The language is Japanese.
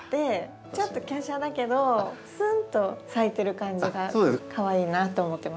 ちょっときゃしゃだけどすんと咲いてる感じがかわいいなと思ってました。